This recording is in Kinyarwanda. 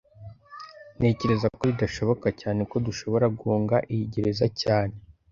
Ntekereza ko bidashoboka cyane ko dushobora guhunga iyi gereza cyane